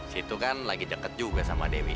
situ kan lagi deket juga sama dewi